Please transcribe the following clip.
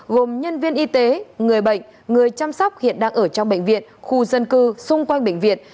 gồm nhân viên y tế người bệnh người chăm sóc hiện đang ở trong bệnh viện khu dân cư xung quanh bệnh viện